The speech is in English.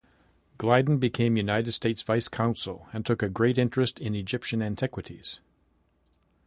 Gliddon became United States vice-consul and took a great interest in Egyptian antiquities.